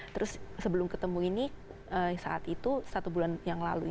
terus sebelum ketemu ini saat itu satu bulan yang lalu